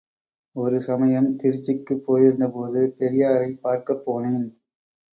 ஒரு சமயம் திருச்சிக்குப் போயிருந்தபோது பெரியாரைப் பார்க்கப்போனேன்.